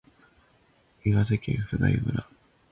岩手県普代村